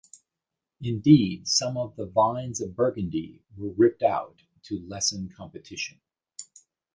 Indeed, some of the vines of Burgundy were ripped out to lessen competition.